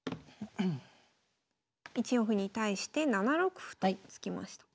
１四歩に対して７六歩と突きました。